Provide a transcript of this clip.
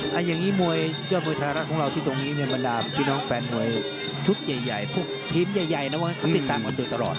เอาอย่างงี้มวยจอดมวยทาระของเราที่ตรงนี้เนี่ยมันดามพี่น้องแฟนมวยชุดใหญ่พวกทีมใหญ่นะว่าเขาติดตามตัวตลอด